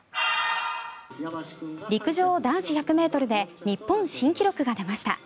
陸上男子１００ｍで日本新記録が出ました。